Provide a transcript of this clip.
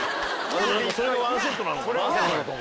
それがワンセットなのかな。